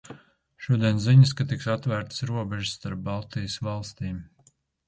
Šodien ziņas, ka tiks atvērtas robežas starp Baltijas valstīm.